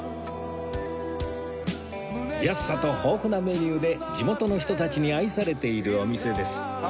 安さと豊富なメニューで地元の人たちに愛されているお店です